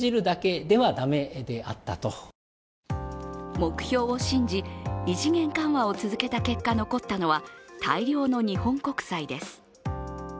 目標を信じ、異次元緩和を続けた結果残ったのは大量の日本国債です。